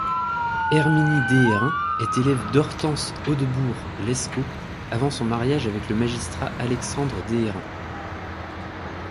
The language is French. Herminie Déhérain est élève d'Hortense Haudebourt-Lescot avant son mariage avec le magistrat Alexandre Déhérain.